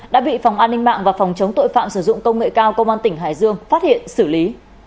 đã bị phòng an ninh mạng và phòng chống tội phạm sử dụng công nghệ cao công an tỉnh hải dương phát hiện xử lý